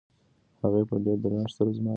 هغې په ډېر درنښت سره زما له مرستې مننه وکړه.